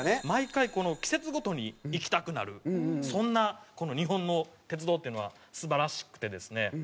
毎回この季節ごとに行きたくなるそんなこの日本の鉄道っていうのは素晴らしくてですね。